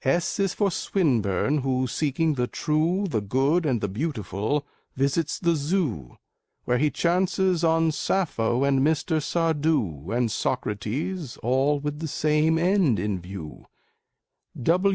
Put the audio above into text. S is for Swinburne, who, seeking the true, The good, and the beautiful, visits the Zoo, Where he chances on Sappho and Mr. Sardou, And Socrates, all with the same end in view.